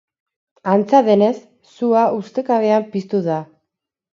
Antza denez, sua ustekabean piztu da.